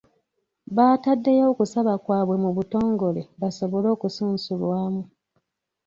Baataddeyo okusaba kwabwe mu butongole basobole okusunsulwamu.